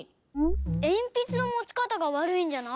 えんぴつのもちかたがわるいんじゃない？